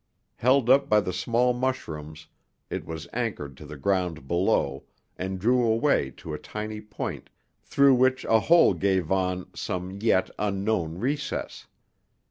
Held up by the tall mushrooms, it was anchored to the ground below, and drew away to a tiny point through which a hole gave on some yet unknown recess.